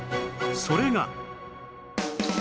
それが